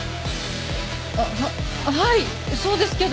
あっははいそうですけど。